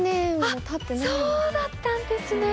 そうだったんですね！